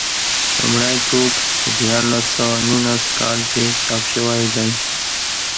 لومړی ټوک په دیارلس سوه نولس کال کې چاپ شوی دی.